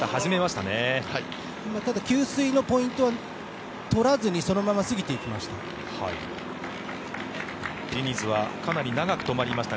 ただ給水のポイントを取らずにそのまま過ぎていきました。